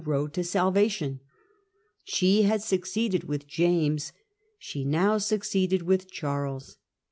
roa( j tQ sa i va ti ont she had succeeded with James. She now succeeded with Charles.